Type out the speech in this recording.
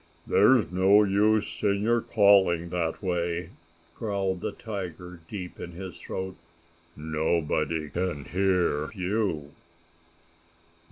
"There's no use in your calling that way!" growled the tiger, deep in his throat. "Nobody can hear you!"